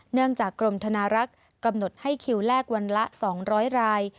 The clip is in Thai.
จากกรมธนารักษ์กำหนดให้คิวแรกวันละ๒๐๐ราย